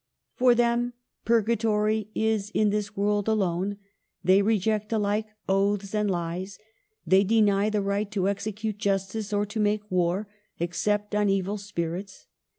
" For them purgatory is in this world alone. They reject alike oaths and lies. They deny the right to execute justice or to make war, except on evil spirits.